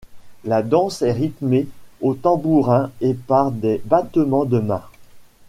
La danse est rythmée au tambourin et par des battements de mains.